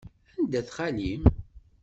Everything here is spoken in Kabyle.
Anda-t xali-m?